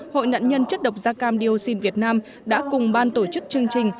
hội nạn nhân chất độc da cam dioxin việt nam đã cùng ban tổ chức chương trình